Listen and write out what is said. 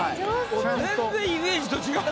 全然イメージと違う。